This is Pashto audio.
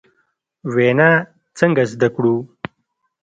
وینا څنګه زدکړو ؟